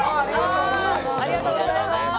ありがとうございます。